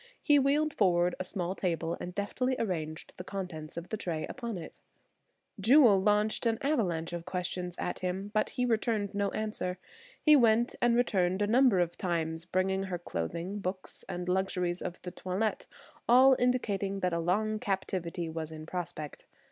He wheeled forward a small table and deftly arranged the contents of the tray upon it. Jewel launched an avalanche of questions at him, but he returned no answer. He went and returned a number of times, bringing her clothing, books and luxuries of the toilet, all indicating that a long captivity was in prospect.